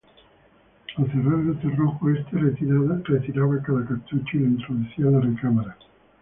Al cerrar el cerrojo, este retiraba cada cartucho y lo introducía en la recámara.